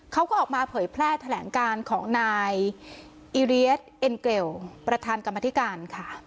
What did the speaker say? เขาก็ออกมาเผยแพร่แถลงการของนายอิเรียสเอ็นเกลประธานกรรมธิการค่ะ